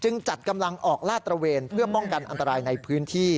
จัดกำลังออกลาดตระเวนเพื่อป้องกันอันตรายในพื้นที่